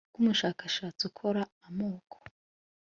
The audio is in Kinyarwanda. BW UMUSHAKASHATSI UKORA AMOKO